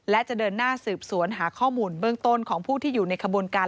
และจะเดินหน้าสืบสวนหาข้อมูลเบื้องต้นของผู้ที่อยู่ในขบวนการ